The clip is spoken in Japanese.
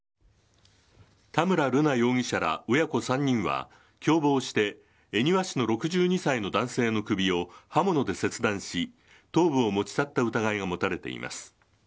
田村瑠奈容疑者ら親子３人は、共謀して、恵庭市の６２歳の男性の首を刃物で切断し、頭部を持ち去った疑いが持たれています。